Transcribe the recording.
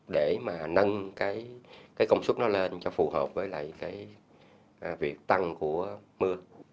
để mà nâng cái công suất nó lên cho phù hợp với lại cái việc tăng của mưa